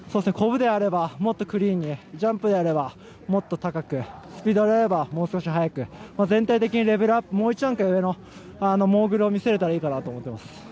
コブであればもっとクリーンにジャンプであればもっと高くスピードに乗れればもう少し速く全体的にもう１段階上のモーグルを見せられたらいいかなと思っています。